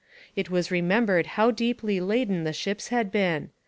It was remembered how deeply laden the ships had been.